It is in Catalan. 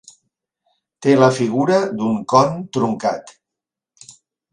Té la figura d'un con truncat.